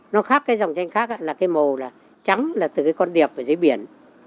nó khác cái dòng tranh khác là cái màu là trắng là từ cái con điệp ở dưới biển